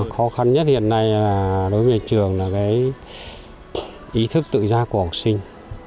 khó khăn nhất hiện nay đối với trường là ý thức tự giác của học sinh